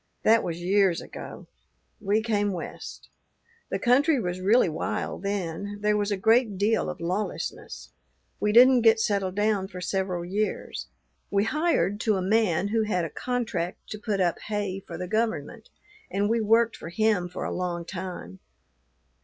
That was years ago. We came West. The country was really wild then; there was a great deal of lawlessness. We didn't get settled down for several years; we hired to a man who had a contract to put up hay for the government, and we worked for him for a long time.